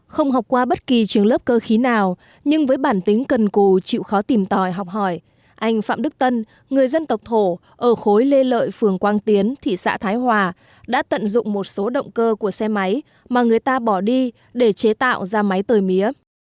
không học qua bất kỳ trường lớp cơ khí nào nhưng với bản tính cần cù chịu khó tìm tòi học hỏi anh phạm đức tân người dân tộc thổ ở khối lê lợi phường quang tiến thị xã thái hòa đã tận dụng một số động cơ của xe máy mà người ta bỏ đi để chế tạo ra máy tời mía